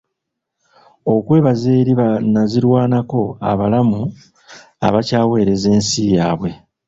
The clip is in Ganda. Okwebaza eri ba nazirwanako abalamu abakyaweereza ensi yabwe